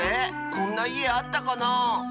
こんないえあったかなあ。